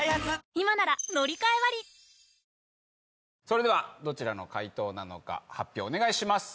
それではどちらの回答なのか発表お願いします。